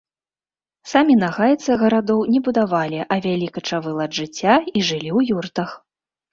Самі нагайцы гарадоў не будавалі, а вялі качавы лад жыцця і жылі ў юртах.